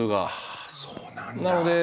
ああそうなんだ。